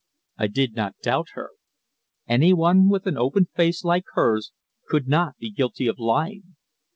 I did not doubt her. Any one with an open face like hers could not be guilty of lying.